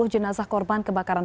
sepuluh jenazah korban kebakaran